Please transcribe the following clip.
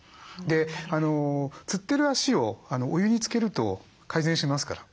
つってる足をお湯につけると改善しますから。